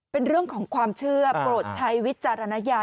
เป็นเรื่องของความเชื่อโปรดใช้วิจารณญาณ